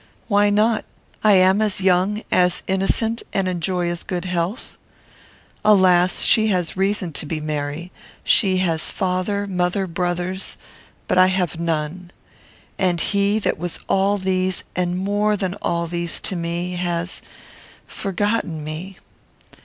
Why not? I am as young, as innocent, and enjoy as good health. Alas! she has reason to be merry. She has father, mother, brothers; but I have none. And he that was all these, and more than all these, to me, has forgotten me.